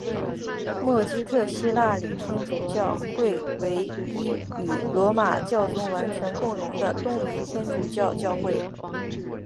默基特希腊礼天主教会为一与罗马教宗完全共融的东仪天主教教会。